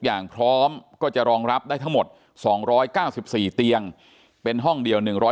อย่างพร้อมก็จะรองรับได้ทั้งหมด๒๙๔เตียงเป็นห้องเดียว